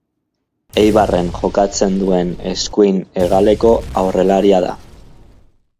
Eibarren jokatzen duen eskuin hegaleko aurrelaria da.